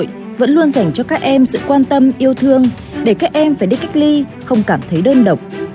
các cơ quan xã hội vẫn luôn dành cho các em sự quan tâm yêu thương để các em phải đi cách ly không cảm thấy đơn độc